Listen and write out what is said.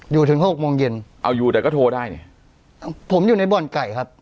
อยู่ถึงหกโมงเย็นเอาอยู่แต่ก็โทรได้เนี่ยผมอยู่ในบ่อนไก่ครับ